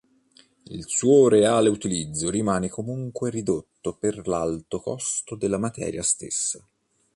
Il suo reale utilizzo rimane comunque ridotto per l'alto costo della materia stessa.